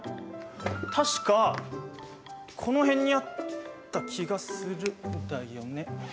確かこの辺にあった気がするんだよね。